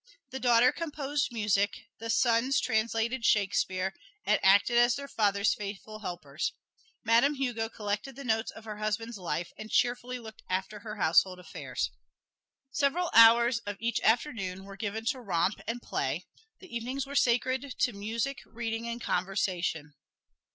The daughter composed music; the sons translated Shakespeare and acted as their father's faithful helpers; Madame Hugo collected the notes of her husband's life and cheerfully looked after her household affairs. Several hours of each afternoon were given to romp and play; the evenings were sacred to music, reading and conversation.